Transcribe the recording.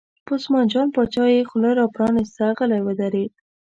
په عثمان جان باچا یې خوله را پرانسته، غلی ودرېد.